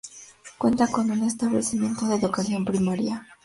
Cuenta con un establecimiento de educación primaria.